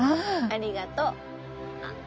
ありがとう。あっ！